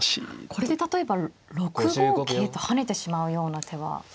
これで例えば６五桂と跳ねてしまうような手は。